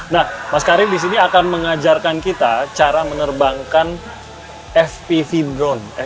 nah mas karif disini akan mengajarkan kita cara menerbangkan fpv drone